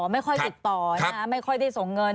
ไม่ค่อยติดต่อไม่ค่อยได้ส่งเงิน